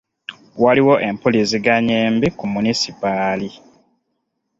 Waliwo empuliziganya embi ku munisipaali.